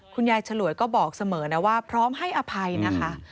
ฉลวยก็บอกเสมอนะว่าพร้อมให้อภัยนะคะ